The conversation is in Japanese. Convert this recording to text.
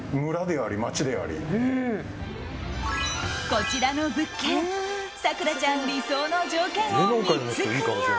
こちらの物件咲楽ちゃん理想の条件を３つクリア。